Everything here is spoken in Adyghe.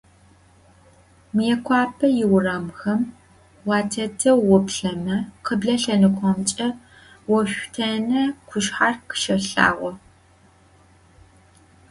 Mıêkhuape yiuramxem vuatêteu vuplheme khıble lhenıkhomç'e Voşsutêne khuşsher khışelhağo.